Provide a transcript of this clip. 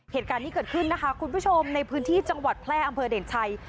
เหตุการณ์นี้เกิดขึ้นนะคะคุณผู้ชมในพื้นที่จังหวัดแพร่อำเภอเด่นชัย